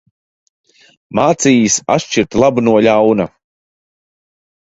Mācījis atšķirt labu no ļauna.